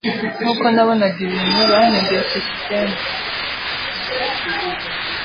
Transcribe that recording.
Nkuko nabonaga ibintu, bahinduye sisitemu.